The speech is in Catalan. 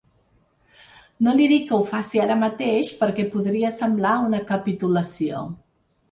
No li dic que ho faci ara mateix, perquè podria semblar una capitulació.